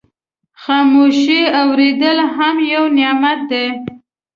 خاموشي اورېدل هم یو نعمت دی.